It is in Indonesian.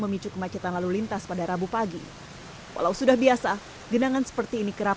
memicu kemacetan lalu lintas pada rabu pagi walau sudah biasa genangan seperti ini kerap